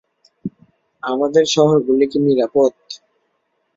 আমাদের শহরগুলো কি নিরাপদ?